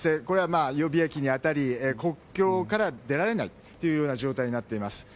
これは予備役に当たり国境から出られないという状態になっています。